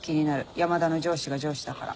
山田の上司が上司だから。